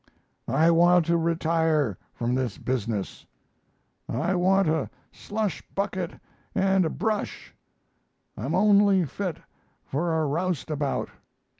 I want to retire from this business. I want a slush bucket and a brush; I'm only fit for a roustabout.